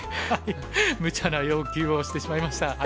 むちゃな要求をしてしまいました。